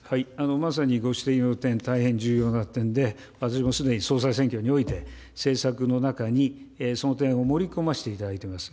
まさにご指摘の点、大変重要な点で、すでに総裁選挙において、政策の中にその点を盛り込ませていただいています。